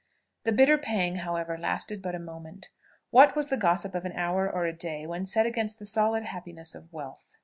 The bitter pang, however, lasted but a moment. What was the gossip of an hour, or a day, when set against the solid happiness of wealth?